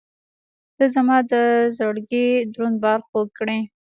• ته زما د زړګي دروند بار خوږ کړې.